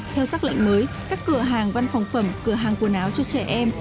theo xác lệnh mới các cửa hàng văn phòng phẩm cửa hàng quần áo cho trẻ em